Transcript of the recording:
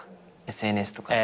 ＳＮＳとか？